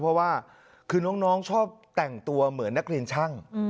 เพราะว่าคือน้องชอบแต่งตัวเหมือนนักเรียนช่าง